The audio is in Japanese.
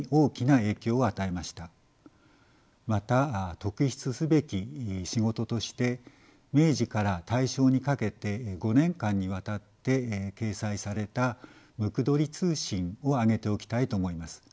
また特筆すべき仕事として明治から大正にかけて５年間にわたって掲載された「椋鳥通信」を挙げておきたいと思います。